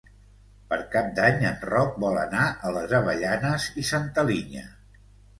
Per Cap d'Any en Roc vol anar a les Avellanes i Santa Linya.